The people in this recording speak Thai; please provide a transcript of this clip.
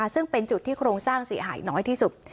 ซึ่งเป็นจุดที่โครงสร้างเสียหายน้อยที่สุด